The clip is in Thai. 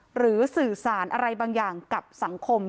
หรือสื่อสารอะไรบางอย่างกับสังคม